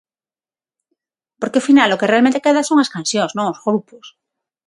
Porque ao final o que realmente queda son as cancións, non os grupos.